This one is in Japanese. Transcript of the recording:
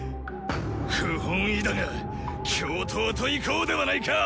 不本意だが共闘といこうではないか。